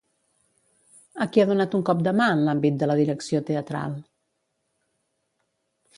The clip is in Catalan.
A qui ha donat un cop de mà en l'àmbit de la direcció teatral?